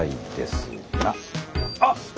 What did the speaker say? あっ！